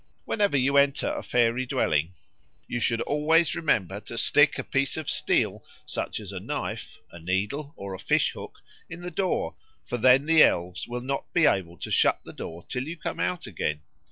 Whenever you enter a fairy dwelling you should always remember to stick a piece of steel, such as a knife, a needle, or a fish hook, in the door; for then the elves will not be able to shut the door till you come out again.